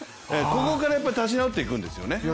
ここから立ち直っていくんですよね。